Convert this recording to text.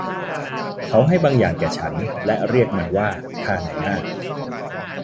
เขาให้บางอย่างแก่ฉันและเรียกมันว่า ค่านายหน้า